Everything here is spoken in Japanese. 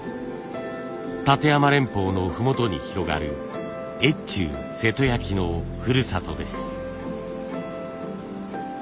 立山連峰の麓に広がる越中瀬戸焼のふるさとです。